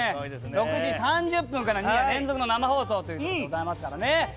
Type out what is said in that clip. ６時３０分から２夜連続の生放送ということでございますからね。